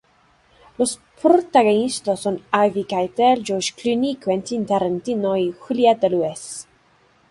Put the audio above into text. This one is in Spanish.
Los protagonista son Harvey Keitel, George Clooney, Quentin Tarantino y Juliette Lewis.